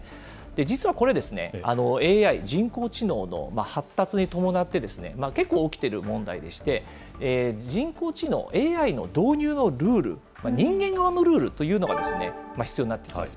実はこれですね、ＡＩ・人工知能の発達に伴って、結構、起きている問題でして、人工知能・ＡＩの導入のルール、人間側のルールというのが必要になってきます。